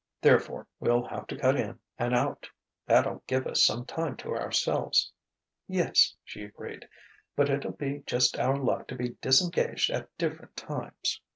Therefore we'll have to cut in and out. That'll give us some time to ourselves." "Yes," she agreed: "but it'll be just our luck to be disengaged at different times."